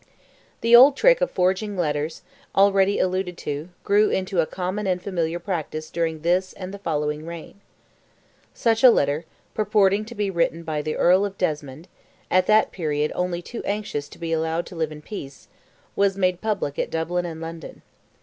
The old trick of forging letters, already alluded to, grew into a common and familiar practice during this and the following reign. Such a letter, purporting to be written by the Earl of Desmond—at that period only too anxious to be allowed to live in peace—was made public at Dublin and London.